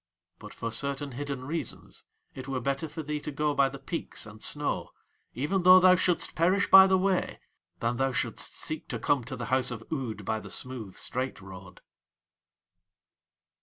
But for certain hidden reasons it were better for thee to go by the peaks and snow, even though thou shouldst perish by the way, that thou shouldst seek to come to the house of Ood by the smooth, straight road.